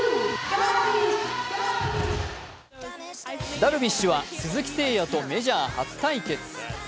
ダルビッシュは鈴木誠也とメジャー初対決。